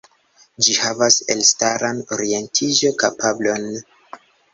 Ĝi havas elstaran orientiĝo-kapablon.